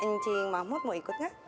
ncing mahmud mau ikut gak